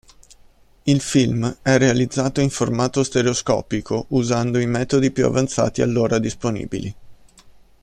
Il film è realizzato in formato stereoscopico usando i metodi più avanzati allora disponibili.